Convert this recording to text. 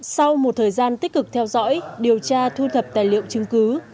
sau một thời gian tích cực theo dõi điều tra thu thập tài liệu chứng cứ